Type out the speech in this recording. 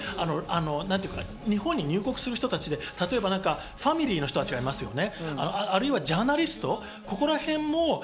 日本に入国する人たちでファミリーの人たちがいますね。